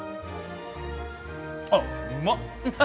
あっうまっ。